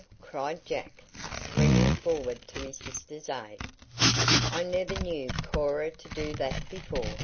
cried Jack, springing forward to his sister's aid. "I never knew Cora to do that before.